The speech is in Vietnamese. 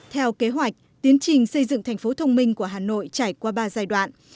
theo kế hoạch tiến trình xây dựng thành phố thông minh của hà nội trải qua ba giai đoạn